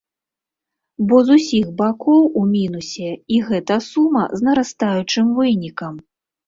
Бо з усіх бакоў у мінусе, і гэта сума з нарастаючым вынікам.